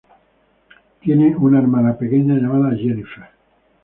Tiene una hermana pequeña llamada Jennifer.